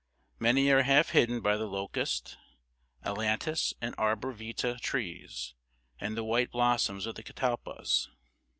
Many are half hidden by the locust, ailantus, and arbor vitæ trees, and the white blossoms of the catalpas.